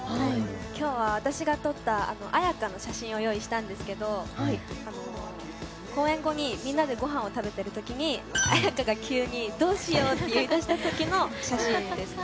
今日は、私が撮ったＡＹＡＫＡの写真を用意したんですけど公演後にみんなでごはんを食べている時にＡＹＡＫＡが急にどうしようって言いだした時の写真です。